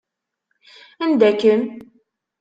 Anda-kem?